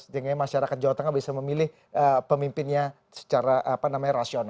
sehingga masyarakat jawa tengah bisa memilih pemimpinnya secara rasional